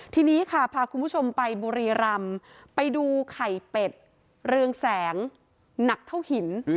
ทีนี้ค่ะพาคุณผู้ชมไปบุรีรำไปดูไข่เป็ดเรืองแสงหนักเท่าหิน